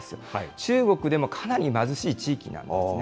中国でもかなり貧しい地域なんですね。